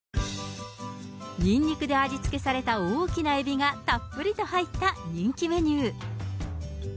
ニンニクで味付けされた大きなエビがたっぷりと入った人気メニュー。